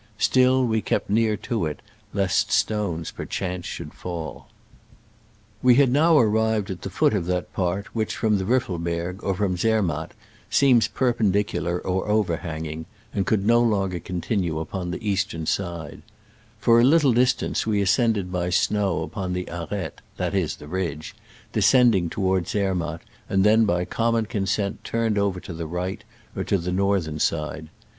Still, we kept near to it, lest stones per chance might fall. We had now arrived at the foot of that part which, from the Riffelberg or from Zermatt, seems perpendicular or over hanging, and could no longer continue upon the eastern side. For a little dis tance we ascended by snow upon the arete — that is, the ridge — descending Digitized by Google 1=^2 SCRAMBLES AMONGST THE ALPS IN i86o '69. toward Zermatt, and then by common consent turned over to the right, or to the northern side.